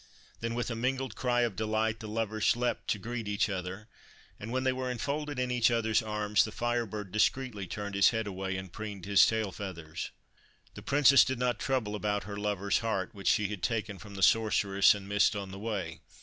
Then, with a mingled cry of delight, the lovers leapt to greet each other, and, when they were enfolded in each other's arms, the Fire Bird discreetly turned his head away and preened his tail feathers. The Princess did not trouble about her lover's heart which she had taken from the Sorceress and missed on the way.